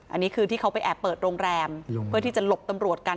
อันนี้คือที่เขาไปแอบเปิดโรงแรมเพื่อที่จะหลบตำรวจกัน